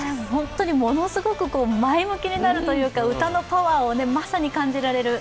ものすごく前向きになるというか、歌のパワーをまさに感じられる。